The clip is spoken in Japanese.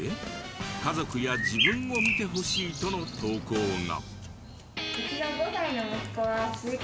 家族や自分を見てほしいとの投稿が。